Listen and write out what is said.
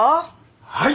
はい！